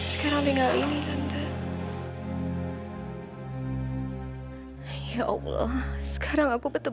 sekarang ada bagiannya itu pasti bersewar sewar ya itu sendiri